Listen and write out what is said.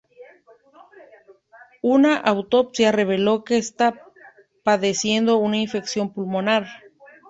Una autopsia reveló que estaba padeciendo una infección pulmonar.